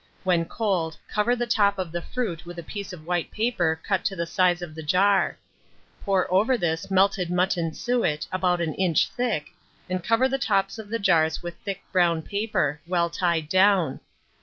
When cold, cover the top of the fruit with a piece of white paper cut to the size of the jar; pour over this melted mutton suet about an inch thick, and cover the tops of the jars with thick brown paper, well tied down.